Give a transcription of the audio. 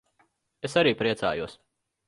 Es arī priecājos.